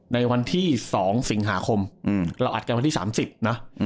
ในวันที่สองสิงหาคมเราอัดกันวันที่สามสิบนะ